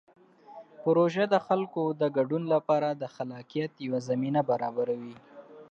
پروژه د خلکو د ګډون لپاره د خلاقیت یوه زمینه برابروي.